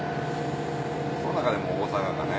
その中でも大阪かな